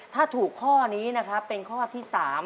ถ้าถูกข้อนี้นะครับเป็นข้อที่๓